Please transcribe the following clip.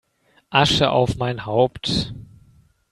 Asche auf mein Haupt